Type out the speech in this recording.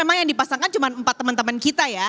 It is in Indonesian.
ini teman teman kita ya